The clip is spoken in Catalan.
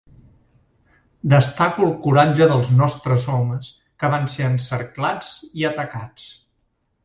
Destaco el coratge dels nostres homes, que van ser encerclats i atacats.